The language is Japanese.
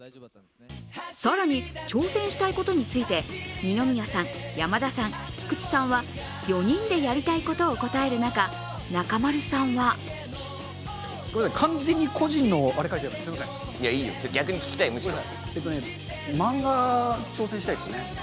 更に、挑戦したいことについて二宮さん、山田さん、菊池さんは４人でやりたいことを答える中、中丸さんは完全に個人のあれ書いちゃいました。